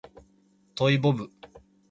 トイボブ